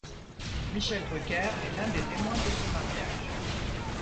Michel Drucker est l'un des témoins de ce mariage.